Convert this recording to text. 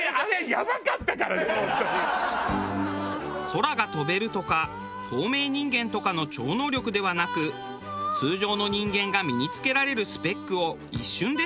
空が飛べるとか透明人間とかの超能力ではなく通常の人間が身に付けられるスペックを一瞬で手に入れられるとしたら